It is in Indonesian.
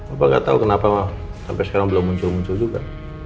apa nggak tahu kenapa sampai sekarang belum muncul muncul juga